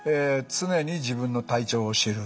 「常に自分の体調を知る」。